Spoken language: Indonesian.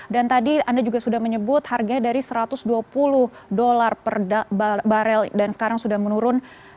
dan tadi anda juga sudah menyebut harganya dari satu ratus dua puluh dolar per barel dan sekarang sudah menurun